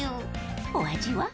［お味は？］